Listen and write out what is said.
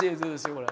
これ。